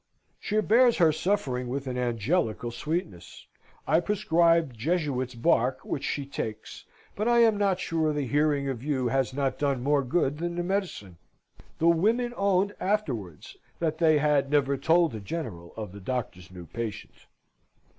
"She bears her suffering with an angelical sweetness. I prescribe Jesuit's bark, which she takes; but I am not sure the hearing of you has not done more good than the medicine." The women owned afterwards that they had never told the General of the doctor's new patient.